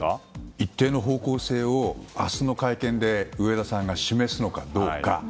一定の方向性を明日の会見で植田さんが示すのかどうか。